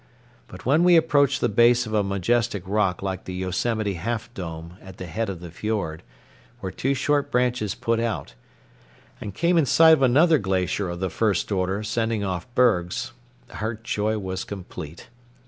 But when we approached the base of a majestic rock like the Yosemite Half Dome at the head of the fiord, where two short branches put out, and came in sight of another glacier of the first order sending off bergs, our joy was complete.